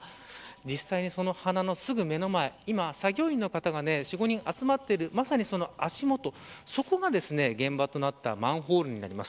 実際に花のすぐ目の前作業員の方が４、５人集まっているまさに、その足元が現場となったマンホールになります。